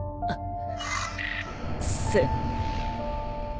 あっ！